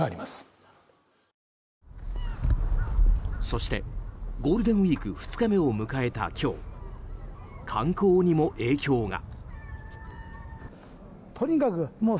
そしてゴールデンウィーク２日目を迎えた今日観光にも影響が。